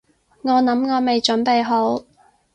我諗我未準備好